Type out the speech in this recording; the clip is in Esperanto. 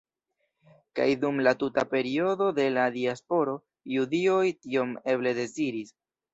Kaj dum la tuta periodo de la Diasporo judoj tion eble deziris.